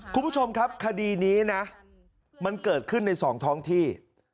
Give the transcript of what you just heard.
คุณผู้ชมครับคดีนี้นะมันเกิดขึ้นในสองท้องที่